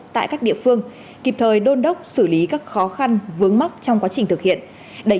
tại các địa phương kịp thời đôn đốc xử lý các khó khăn vướng mắc trong quá trình thực hiện